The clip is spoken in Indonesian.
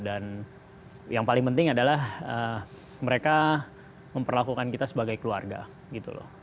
dan yang paling penting adalah mereka memperlakukan kita sebagai keluarga gitu loh